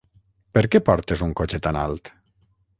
Per què portes un cotxe tan alt?